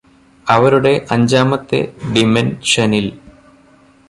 അവരുടെ അഞ്ചാമത്തെ ഡിമെന്ഷനില്